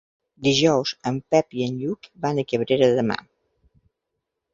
Dijous en Pep i en Lluc van a Cabrera de Mar.